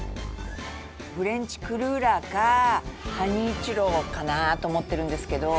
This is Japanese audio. フレンチクルーラーかハニーチュロかな？と思ってるんですけど。